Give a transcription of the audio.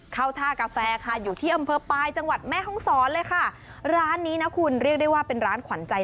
เข้าท่ากาแฟค่ะอยู่ที่อำเภอปลายจังหวัดแม่ห้องศรเลยค่ะ